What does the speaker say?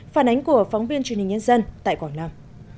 phản ánh của phóng viên truyền hình nhân dân tại quảng nam